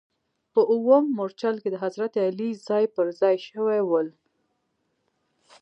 په اووم مورچل کې د حضرت علي ځاې پر ځا ې شوي ول.